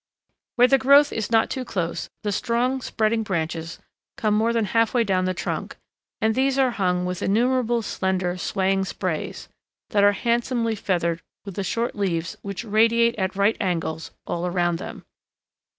Where the growth is not too close, the strong, spreading branches come more than halfway down the trunk, and these are hung with innumerable slender, swaying sprays, that are handsomely feathered with the short leaves which radiate at right angles all around them.